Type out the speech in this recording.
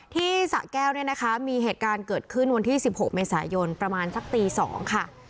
สะแก้วเนี่ยนะคะมีเหตุการณ์เกิดขึ้นวันที่๑๖เมษายนประมาณสักตี๒ค่ะ